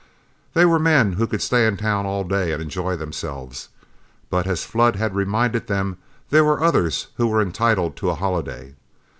They were men who could stay in town all day and enjoy themselves; but, as Flood had reminded them, there were others who were entitled to a holiday.